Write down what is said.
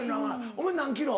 お前何キロ？